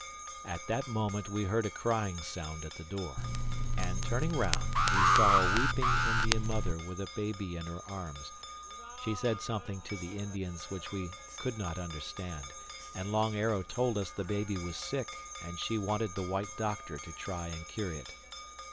At that moment we heard a crying sound at the door. And turning round, we saw a weeping Indian mother with a baby in her arms. She said something to the Indians which we could not understand; and Long Arrow told us the baby was sick and she wanted the white doctor to try and cure it.